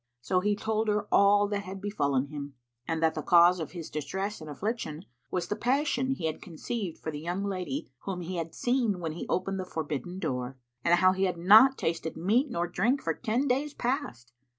So he told her all that had befallen him, and that the cause of his distress and affliction was the passion he had conceived for the young lady whom he had seen when he opened the forbidden door; and how he had not tasted meat nor drink for ten days past.